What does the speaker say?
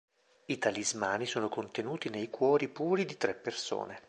I talismani sono contenuti nei cuori puri di tre persone.